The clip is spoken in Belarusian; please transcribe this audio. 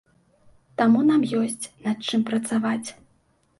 Таму нам ёсць над чым працаваць.